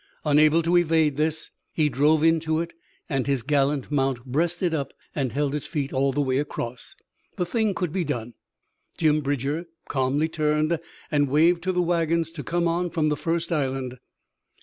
Unable to evade this, he drove into it, and his gallant mount breasted up and held its feet all the way across. The thing could be done! Jim Bridger calmly turned and waved to the wagons to come on from the first island.